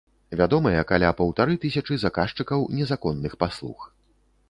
Вядомыя каля паўтары тысячы заказчыкаў незаконных паслуг.